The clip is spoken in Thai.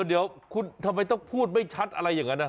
เดี๋ยวคุณทำไมต้องพูดไม่ชัดอะไรอย่างนั้นนะ